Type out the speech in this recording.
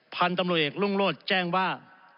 พันตำรวจเอกรุ่งโลศนี่นั่งบอกว่า